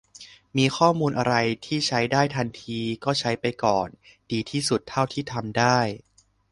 มีข้อมูลอะไรที่ใช้ได้ทันที ก็ใช้ไปก่อน ดีที่สุดเท่าที่ทำได้